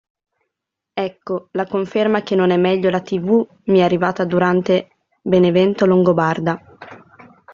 Ecco, la conferma che non è meglio la tv mi è arrivata durante Benevento Longobarda.